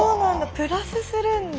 プラスするんだ。